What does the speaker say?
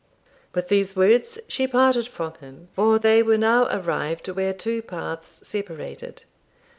With these words she parted from him, for they were now arrived where two paths separated.